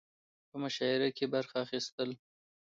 په مشاعره کې برخه اخستل